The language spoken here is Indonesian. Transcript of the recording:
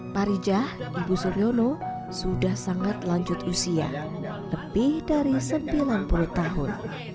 parijah ibu suryono sudah sangat lanjut usia lebih dari sembilan puluh tahun